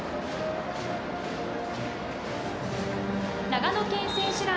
長野県選手団。